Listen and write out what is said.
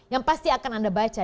yang pasti akan anda baca